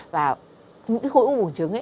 và những cái khối u bùng trứng